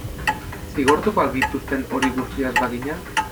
Zigortuko al gintuzten hori guztia ez bagina?